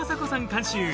監修